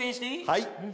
はい。